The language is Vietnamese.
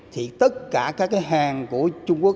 thì tất cả các cái hàng của trung quốc